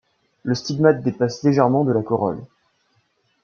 Le stigmate dépasse légèrement de la corolle.